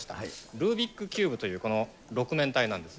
ルービックキューブという、この６面体なんです。